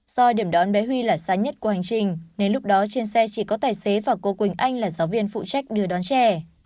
do điểm đón bé huy là sáng nhất của hành trình nên lúc đó trên xe chỉ có tài xế và cô quỳnh anh là giáo viên phụ trách đưa đón trẻ